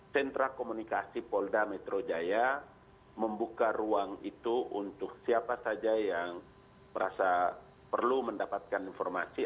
sentra komunikasi polda metro jaya membuka ruang itu untuk siapa saja yang merasa perlu mendapatkan informasi